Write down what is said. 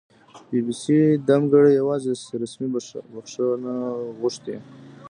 بي بي سي دمګړۍ یواځې رسمي بښنه غوښتې